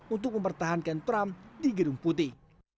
untuk mempertahankan trump di gedung putih